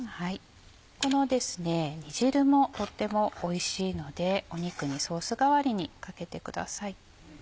この煮汁もとってもおいしいので肉にソース代わりにかけてください。